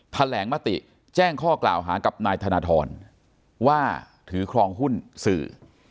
แถลงมติแจ้งข้อกล่าวหากับนายธนทรว่าถือครองหุ้นสื่อ